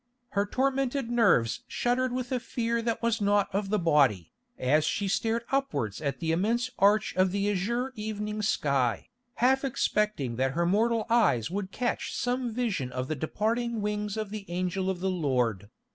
Her tormented nerves shuddered with a fear that was not of the body, as she stared upwards at the immense arch of the azure evening sky, half expecting that her mortal eyes would catch some vision of the departing wings of the Angel of the Lord.